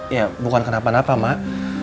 ya bukan kenapa napa mak